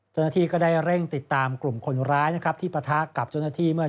เจ้าหน้าที่ก็ได้เร่งติดตามกลุ่มคนร้ายนะครับที่ปะทะกับเจ้าหน้าที่เมื่อ